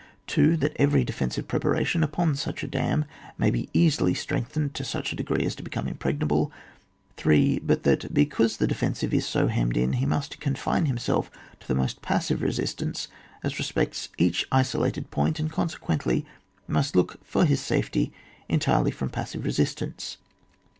2. That every defensive preparation upon such a dam may be easily strength ened to such a degree as to become impregnable. 3. But that, because the defensive is 80 hemmed in, he must confine himself to the most passive resistance as respects each isolated point, and consequently must look for his safety entirely from passive resistance.